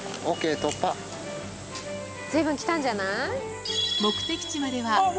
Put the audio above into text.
随分来たんじゃない？